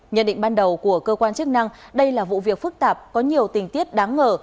nhận định ban đầu của cơ quan chức năng đây là vụ việc phức tạp có nhiều tình tiết đáng ngờ